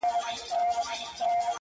زه جارېږمه له تا او ته له بله,